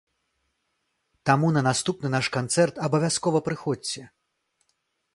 Таму на наступны наш канцэрт абавязкова прыходзьце!